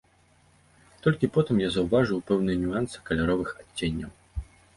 Толькі потым я заўважыў пэўныя нюансы каляровых адценняў.